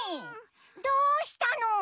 どうしたの？